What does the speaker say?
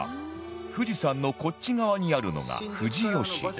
富士山のこっち側にあるのが富士吉田